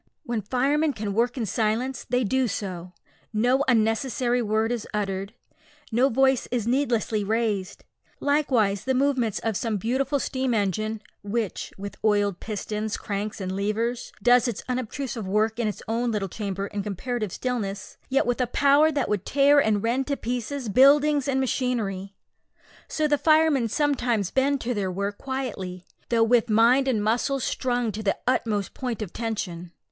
When firemen can work in silence they do so. No unnecessary word is uttered, no voice is needlessly raised. Like the movements of some beautiful steam engine, which, with oiled pistons, cranks, and levers, does its unobtrusive work in its own little chamber in comparative stillness, yet with a power that would tear and rend to pieces buildings and machinery, so the firemen sometimes bend to their work quietly, though with mind and muscles strung to the utmost point of tension.